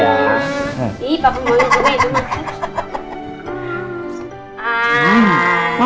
ih papa mau juga ya